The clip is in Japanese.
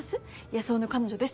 安生の彼女です。